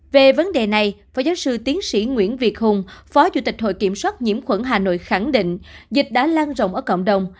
về vấn đề này phó giáo sư tiến sĩ nguyễn việt hùng phó chủ tịch hội kiểm soát nhiễm khuẩn hà nội khẳng định dịch đã lan rộng ở cộng đồng